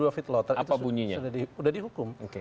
tiga puluh dua feet loter itu sudah dihukum